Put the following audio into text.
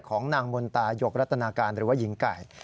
ของนางมนตายกรัตนาการหรือว่าหญิงไก่